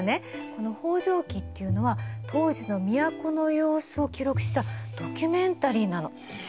この「方丈記」っていうのは当時の都の様子を記録したドキュメンタリーなの。え！